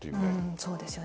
そうですよね。